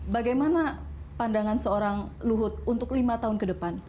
bagaimana pandangan seorang luhut untuk lima tahun ke depan